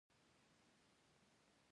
پنځه شپیتم سوال د دفتر اساسي مهارتونه دي.